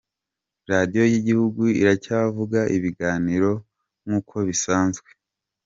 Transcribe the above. Radio y'igihugu iracyavuga ibiganiro nkuko bisanzwe.